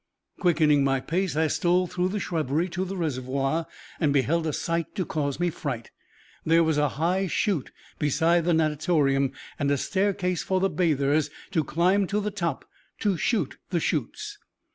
Quickening my pace, I stole through the shrubbery to the reservoir, and beheld a sight to cause me fright. There was a high chute beside the natatorium, and a staircase for the bathers to climb to the top "to shoot the chutes."